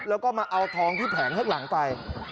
แล้วก็มาเอาทองที่แผงข้างหลังไป